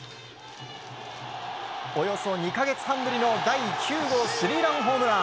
およそ２か月半ぶりの第９号スリーランホームラン。